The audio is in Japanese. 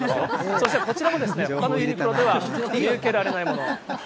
そしてこちらもほかのユニクロでは見受けられないもの。